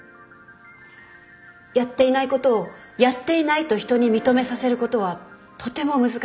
やっていないことをやっていないと人に認めさせることはとても難しい。